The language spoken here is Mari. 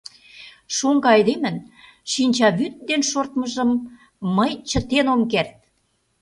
Шоҥго айдемын шинчавӱд дене шортмыжым мый чытен ом керт!..